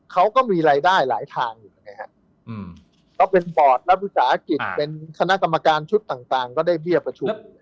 เขาก็มีรายได้หลายทางอยู่ไงฮะเขาเป็นบอร์ดนักวิสาหกิจเป็นคณะกรรมการชุดต่างก็ได้เบี้ยประชุม